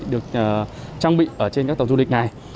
được trang bị trên các tàu du lịch này